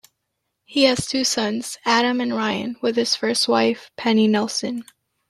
He has two sons, Adam and Ryan, with his first wife, Penny Nelson.